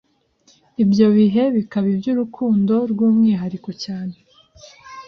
ibyo bihe bikaba iby’urukundo rw’umwihariko cyane